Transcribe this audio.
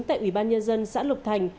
tại ủy ban nhân dân xã lục thành